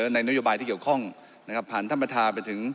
นโยบายที่เกี่ยวข้องนะครับผ่านท่านประธานไปถึง